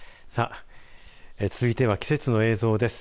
続いては季節の映像です。